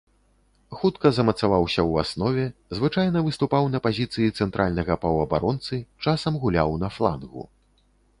Хутка замацаваўся ў аснове, звычайна выступаў на пазіцыі цэнтральнага паўабаронцы, часам гуляў на флангу.